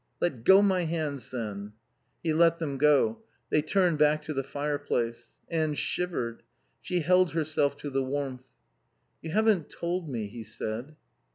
"Let go my hands, then." He let them go. They turned back to the fireplace. Anne shivered. She held herself to the warmth. "You haven't told me," he said.